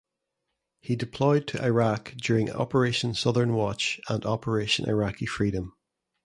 He deployed to Iraq during Operation Southern Watch and Operation Iraqi Freedom.